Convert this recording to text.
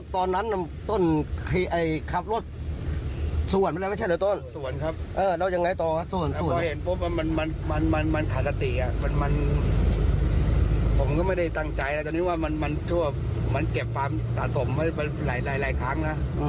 ตอนนั้นต้องเก็บขาดสามารถให้ไปหลายครั้ง